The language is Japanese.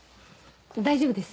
大丈夫です。